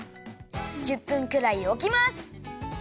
１０分くらいおきます。